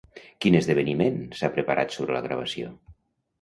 Quin esdeveniment s'ha preparat sobre la gravació?